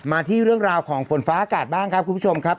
มาที่เรื่องราวของฝนฟ้าอากาศบ้างครับคุณผู้ชมครับ